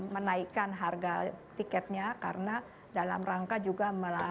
menaikkan harga tiketnya karena dalam rangka juga